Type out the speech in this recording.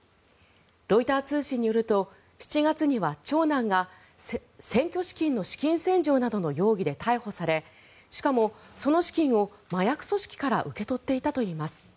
ロイター通信によると７月には長男が選挙資金の資金洗浄などの容疑で逮捕されしかも、その資金を麻薬組織から受け取っていたといいます。